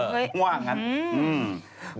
พูดมากครับ